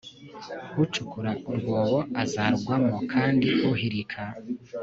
Ucukura urwobo azarugwamo Kandi uhirika